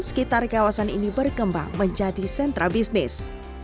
sekitar kawasan ini berkembang menjadi sentra bisnis